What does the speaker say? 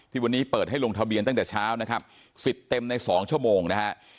วันนี้เปิดให้ลงทะเบียนตั้งแต่เช้านะครับ๑๐เต็มใน๒ชั่วโมงนะฮะ